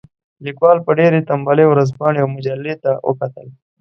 لیکوال په ډېرې تنبلۍ ورځپاڼې او مجلې ته وکتل.